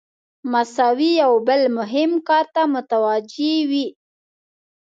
مساوي یو بل مهم کار ته متوجه وي.